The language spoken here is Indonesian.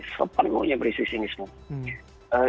sepatuhnya berisi sinisme